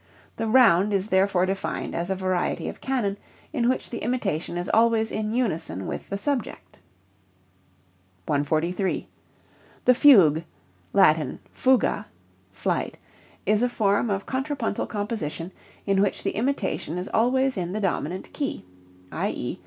The round is therefore defined as a variety of canon in which the imitation is always in unison with the subject. 143. The fugue (Latin, fuga = flight) is a form of contrapuntal composition in which the imitation is always in the dominant key, _i.e.